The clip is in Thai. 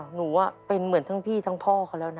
หนูเป็นเหมือนทั้งพี่ทั้งพ่อเขาแล้วนะ